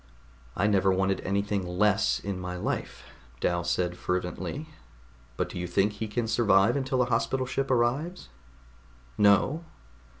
"I never wanted anything less in my life," Dal said fervently. "But do you think he can survive until a Hospital Ship arrives?" "No."